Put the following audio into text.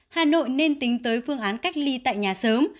hà nội nên tính tới phương án cách ly tại nhà sớm